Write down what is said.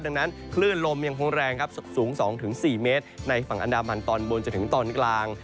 ดังนั้นคลื่นลมยังคงแรงครับสูง๒๔เมตรในฝั่งอันดามันตอนบนจนถึงตอนกลาง